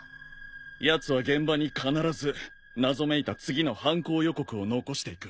やつは現場に必ず謎めいた次の犯行予告を残していく。